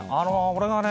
俺がね